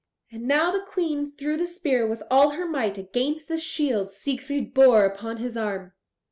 And now the Queen threw the spear with all her might against the shield Siegfried bore upon his arm.